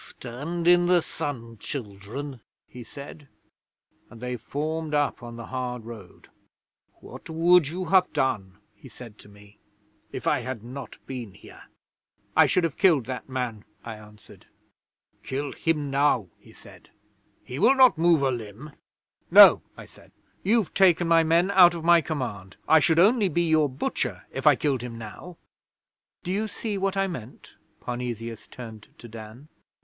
'"Stand in the sun, children," he said, and they formed up on the hard road. '"What would you have done," he said to me, "if I had not been here?" '"I should have killed that man," I answered. '"Kill him now," he said. "He will not move a limb." '"No," I said. "You've taken my men out of my command. I should only be your butcher if I killed him now." Do you see what I meant?' Parnesius turned to Dan.